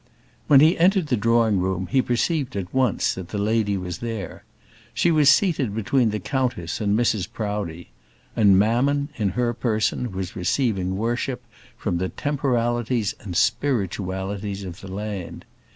When he entered the drawing room he perceived at once that the lady was there. She was seated between the countess and Mrs Proudie; and mammon, in her person, was receiving worship from the temporalities and spiritualities of the land.